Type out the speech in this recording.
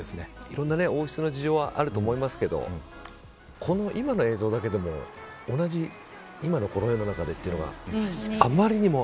いろんな王室の事情はあると思いますけど今の映像だけでも同じ今のこの世の中ではあまりにも。